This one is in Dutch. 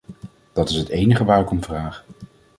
Dat is het enige waar ik om vraag.